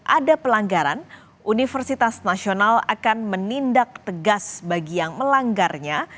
ada pelanggaran universitas nasional akan menindak tegas bagi yang melanggarnya